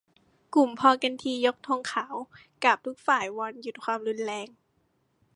กลุ่มพอกันที ! ยกธงขาว กราบทุกฝ่าย วอนหยุดความรุนแรง